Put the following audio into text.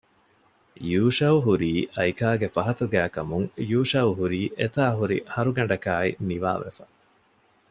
ޔޫޝައު ހުރީ އައިކާގެ ފަހަތުގައިކަމުން ޔޫޝައު ހުރީ އެތާ ހުރި ހަރުގަނޑަކާއި ނިވާވެފަ